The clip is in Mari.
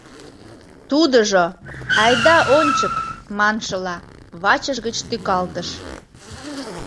Тудыжо, «Айда ончык» маншыла, вачыж гыч тӱкалтыш.